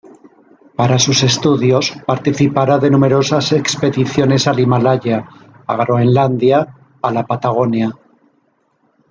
Para sus estudios, participará de numerosas expediciones al Himalaya, a Groenlandia, a la Patagonia.